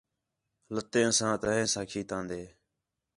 لتے سمان، تھہین ساں کھیتاندے